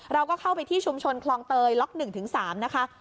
เราก็เข้าไปที่ชุมชนคลองเตยล็อก๑๓นะคะ